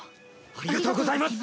ありがとうございます。